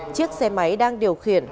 chiếc xe máy đang điều khiển